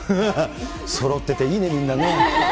そろってていいね、みんなね。